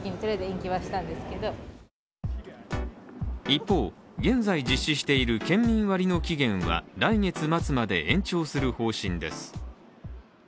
一方、現在実施している県民割の期限は来月末まで延長する方針です。